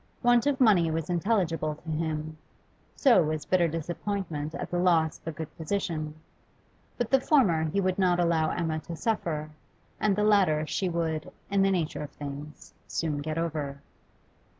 Want of money was intelligible to him, so was bitter disappointment at the loss of a good position; but the former he would not allow Emma to suffer, and the latter she would, in the nature of things, soon get over.